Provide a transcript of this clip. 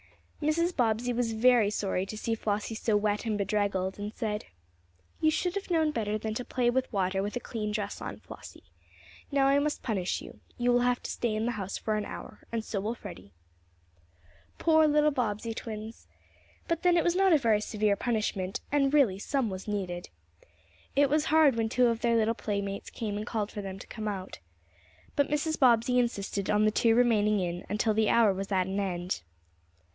Mrs. Bobbsey was very sorry to see Flossie so wet and bedraggled, and said: "You should have known better than to play with water with a clean dress on, Flossie. Now I must punish you. You will have to stay in the house for an hour, and so will Freddie." Poor little Bobbsey twins! But then it was not a very severe punishment, and really some was needed. It was hard when two of their little playmates came and called for them to come out. But Mrs. Bobbsey insisted on the two remaining in until the hour was at an end.